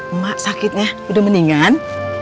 emak sakitnya udah mendingan